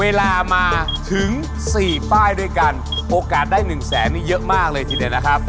เวลามาถึงสี่ป้ายด้วยกันโอกาสได้หนึ่งแสนนี่เยอะมากเลยทีเดียวนะครับ